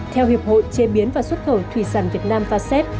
theo hiệp hội chế biến và xuất khẩu thủy sản việt nam vasep